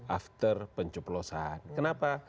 after pencuplosan kenapa